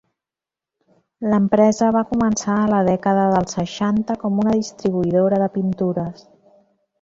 L'empresa va començar a la dècada dels seixanta com a distribuïdora de pintures.